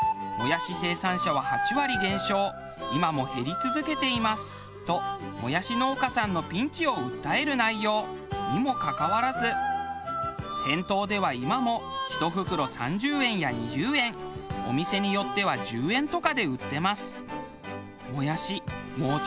その内容は。ともやし農家さんのピンチを訴える内容にもかかわらず店頭では今も１袋３０円や２０円お店によっては１０円とかで売ってます。